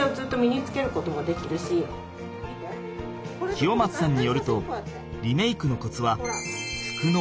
清松さんによるとリメイクのコツは服の思い出だという。